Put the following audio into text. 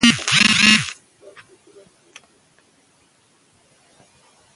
کابل د افغانستان د جغرافیوي تنوع یو څرګند مثال دی.